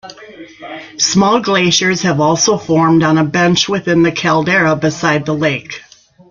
Small glaciers have also formed on a bench within the caldera beside the lake.